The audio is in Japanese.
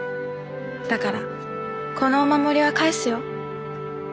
だからこのお守りは返すよ。